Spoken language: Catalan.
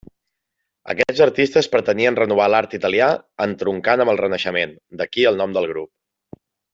Aquests artistes pretenien renovar l'art italià entroncant amb el Renaixement, d'aquí el nom del grup.